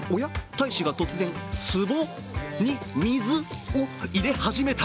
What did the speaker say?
大使が突然、つぼに水を入れ始めた。